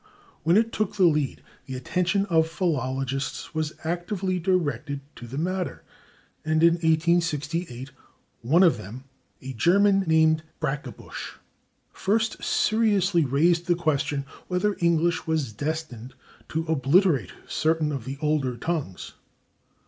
When it took the lead the attention of philologists was actively directed to the matter, and in 1868 one of them, a German named Brackebusch, first seriously raised the question whether English was destined to obliterate certain of the older tongues.